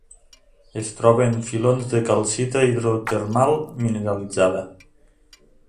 Es troba en filons de calcita hidrotermal mineralitzada.